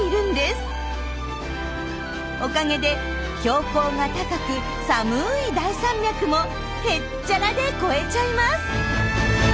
おかげで標高が高く寒い大山脈もへっちゃらで越えちゃいます。